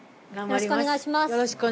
よろしくお願いします